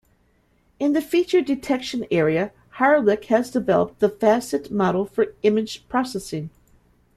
In the feature detection area, Haralick has developed the facet model for image processing.